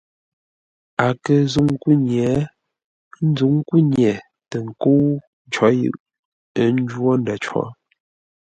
A kə̂ nzúŋ kúnye, ə́ nzǔŋ kúnye tə nkə́u có yʉʼ, ə́ njwó ndə̂ cǒ.